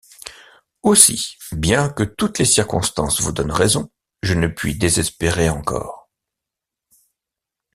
Aussi, bien que toutes les circonstances vous donnent raison, je ne puis désespérer encore.